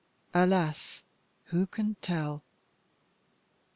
Alas! who can tell?"